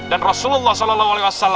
dan rasulullah saw